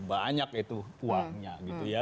banyak itu uangnya gitu ya